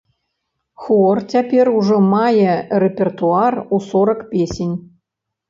Хор цяпер ужо мае рэпертуар у сорак песень.